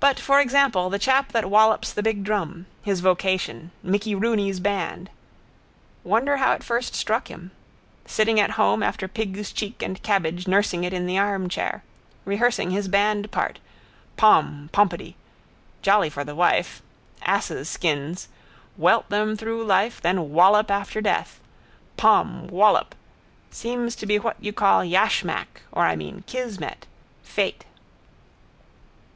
But for example the chap that wallops the big drum. His vocation: Mickey Rooney's band. Wonder how it first struck him. Sitting at home after pig's cheek and cabbage nursing it in the armchair. Rehearsing his band part. Pom. Pompedy. Jolly for the wife. Asses' skins. Welt them through life, then wallop after death. Pom. Wallop. Seems to be what you call yashmak or I mean kismet. Fate.